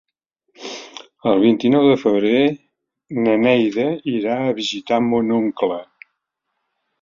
El vint-i-nou de febrer na Neida irà a visitar mon oncle.